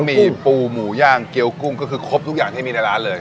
มีปูหมูย่างเกี้ยวกุ้งก็คือครบทุกอย่างที่มีในร้านเลย